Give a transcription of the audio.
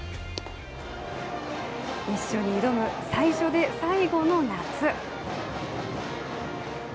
一緒に挑む、最初で最後の夏。